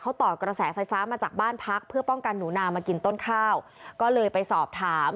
เขาต่อกระแสไฟฟ้ามาจากบ้านพักเพื่อป้องกันหนูนามากินต้นข้าวก็เลยไปสอบถาม